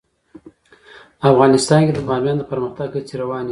افغانستان کې د بامیان د پرمختګ هڅې روانې دي.